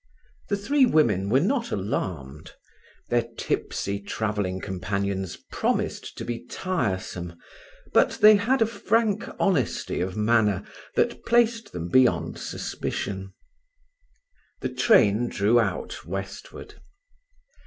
The three women were not alarmed. Their tipsy travelling companions promised to be tiresome, but they had a frank honesty of manner that placed them beyond suspicion. The train drew out westward.